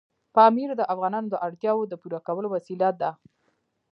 پامیر د افغانانو د اړتیاوو د پوره کولو وسیله ده.